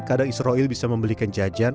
kadang israel bisa membelikan jajan